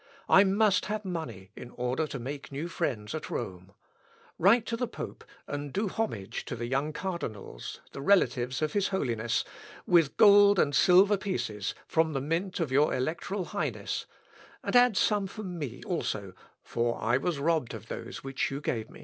I must have money in order to make new friends at Rome. Write the pope, and do homage to the young cardinals, the relatives of his holiness, with gold and silver pieces, from the mint of your electoral highness, and add some for me also, for I was robbed of those which you gave me."